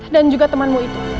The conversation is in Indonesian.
dan juga temanmu itu